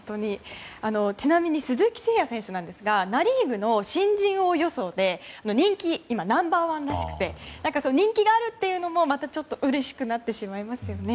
ちなみに鈴木誠也選手なんですがナ・リーグの新人王予想で今人気ナンバー１らしくて人気があるというのも、またうれしくなってしまいますよね。